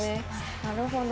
なるほど。